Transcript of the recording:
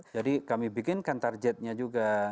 jadi kami bikinkan targetnya juga